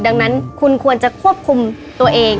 ดังนั้นคุณควรจะควบคุมตัวเอง